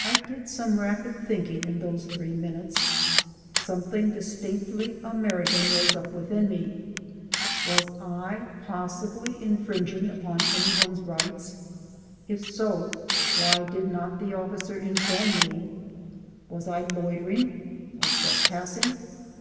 I did some rapid thinking in those three minutes. Something distinctly American rose up within me. Was I possibly infringing upon any one's rights? If so, why did not the officer inform me? Was I loitering or trespassing?